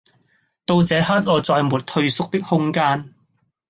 到這刻我再沒退縮的空間